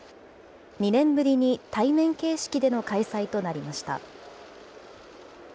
２年ぶりに対面形式での開催となりました。